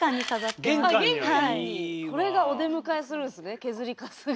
これがお出迎えするんすね削りカスが。